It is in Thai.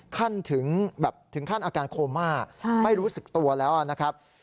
ถึงแบบถึงขั้นอาการโคม่าไม่รู้สึกตัวแล้วนะครับ